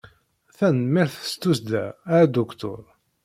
Tanemmirt s tussda, a Aduktur.